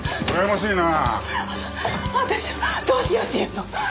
私をどうしようっていうの？